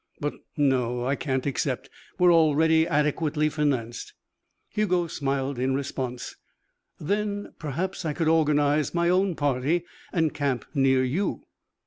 But no I can't accept. We are already adequately financed." Hugo smiled in response. "Then perhaps I could organize my own party and camp near you."